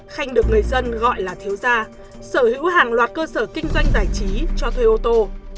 khanh được người dân gọi là thiếu gia sở hữu hàng loạt cơ sở kinh doanh giải trí cho thuê ô tô